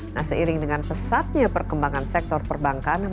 nah seiring dengan pesatnya perkembangan sektor perbankan